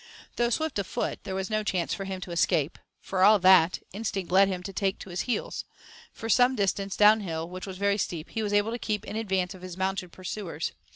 Though swift of foot, there was no chance for him to escape; for all that, instinct led him to take to his heels. For some distance down hill, which was very steep, he was able to keep in advance of his mounted pursuers.